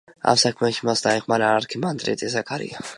ამ საქმეში მას დაეხმარა არქიმანდრიტი ზაქარია.